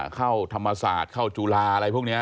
เข้าธรรมศาสตร์เข้าจุฬาอะไรพวกนี้